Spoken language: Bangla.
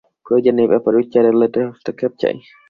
প্রয়োজনে এ ব্যাপারে উচ্চ আদালতের হস্তক্ষেপ চাই।